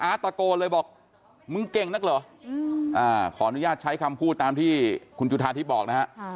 ตะโกนเลยบอกมึงเก่งนักเหรอขออนุญาตใช้คำพูดตามที่คุณจุธาทิพย์บอกนะฮะ